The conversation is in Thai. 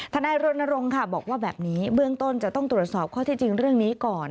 นายรณรงค์ค่ะบอกว่าแบบนี้เบื้องต้นจะต้องตรวจสอบข้อที่จริงเรื่องนี้ก่อน